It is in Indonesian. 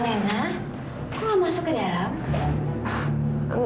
alina kok gak masuk ke dalam